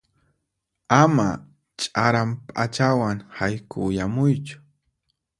Ama ch'aran p'achawan haykuyamuychu.